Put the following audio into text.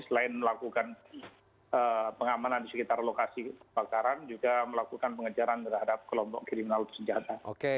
selain melakukan pengamanan di sekitar lokasi kebakaran juga melakukan pengejaran terhadap kelompok kriminal bersenjata